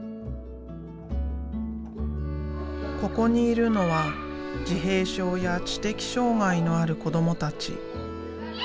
ここにいるのは自閉症や知的障害のある子どもたち。